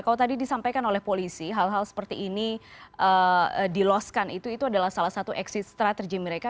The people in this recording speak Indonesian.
kalau tadi disampaikan oleh polisi hal hal seperti ini diloskan itu adalah salah satu exit strategy mereka